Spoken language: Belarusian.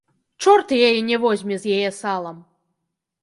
Чорт яе не возьме з яе салам.